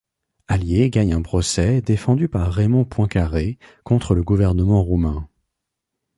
Hallier gagne un procès, défendu par Raymond Poincaré, contre le gouvernement roumain.